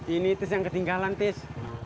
ini terus yang ketinggalan tis